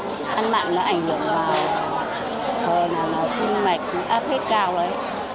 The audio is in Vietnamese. thời nào là kim mạch áp hết cao đấy